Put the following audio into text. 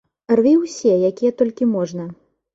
Рві ўсе, якія толькі можна.